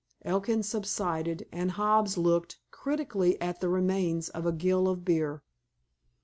Elkin subsided, and Hobbs looked critically at the remains of a gill of beer.